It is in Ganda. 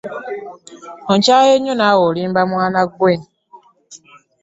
Onkyaye nnyo naawe olimba mwana ggwe.